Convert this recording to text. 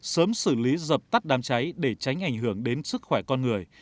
sớm xử lý dập tắt đám cháy để tránh ảnh hưởng đến sức khỏe con người